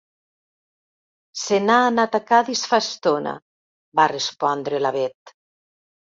Se n'ha anat a Cadis fa estona —va respondre la Bet.